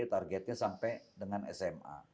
targetnya sampai dengan sma